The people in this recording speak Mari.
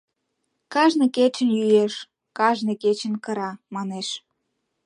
Кажне кечын йӱэш, кажне кечын кыра, манеш.